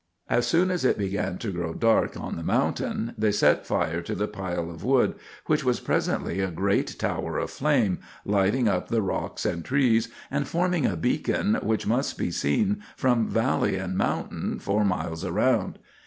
As soon as it began to grow dark on the mountain they set fire to the pile of wood, which was presently a great tower of flame, lighting up the rocks and trees, and forming a beacon which must be seen from valley and mountain for miles around.